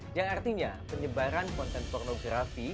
yang artinya penyebaran konten pornografi